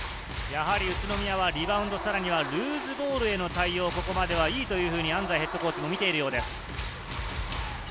宇都宮はやはりリバウンド、ルーズボールへの対応、ここまではいいと安齋ヘッドコーチも見ているようです。